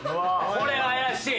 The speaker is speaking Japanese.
これ怪しい。